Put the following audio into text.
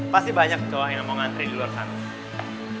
pasti banyak cowok yang mau ngantri di luar sana